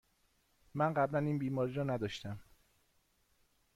من قبلاً این بیماری را نداشتم.